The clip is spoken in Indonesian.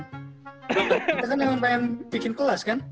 kita kan emang pengen bikin kelas kan